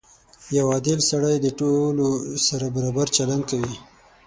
• یو عادل سړی د ټولو سره برابر چلند کوي.